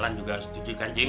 nelan juga setuju kan cik